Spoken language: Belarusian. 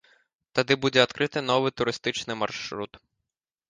Тады будзе адкрыты новы турыстычны маршрут.